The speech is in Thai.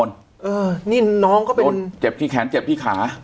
นี่น้องก็เป็นคนเจ็บที่แขนเจ็บที่ขา